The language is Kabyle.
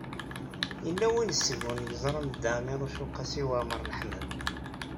Yella win seg-wen i yeẓran Dda Ɛmiiruc u Qasi Waɛmer n Ḥmed?